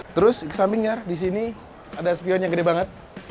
terus ke samping jar disini ada spion yang gede banget